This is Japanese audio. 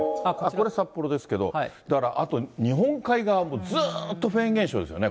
これ、札幌ですけど、だからあと、日本海側もずーっとフェーン現象ですよね。